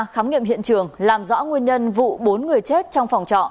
khám nghiệm hiện trường làm rõ nguyên nhân vụ bốn người chết trong phòng trọ